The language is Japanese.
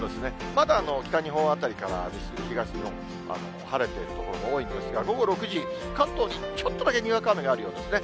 まだ北日本あたりから東日本、晴れている所も多いんですが、午後６時、関東にちょっとだけにわか雨があるようですね。